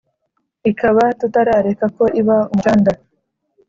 Ikaba tutareka ko iba umucanda!"